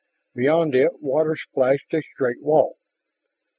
Beyond it water splashed a straight wall.